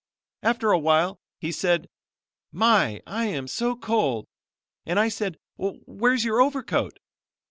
After awhile he said, 'My, I am so cold,' and I said: 'Where's your overcoat?'